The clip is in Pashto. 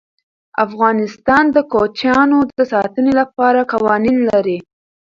افغانستان د کوچیانو د ساتنې لپاره قوانین لري.